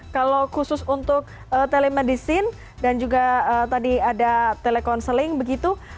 kalau khusus untuk telemedicine dan juga tadi ada telekonseling begitu